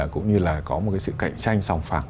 cũng như là có một cái sự cạnh tranh sòng phẳng